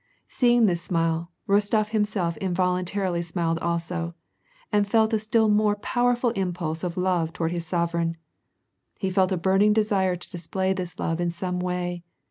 Seeing this smile, Rostof himself involuntarily smiled also, and felt a still more powerful impulse of love toward his sov ereign. He felt a burning desire to display this love in some way.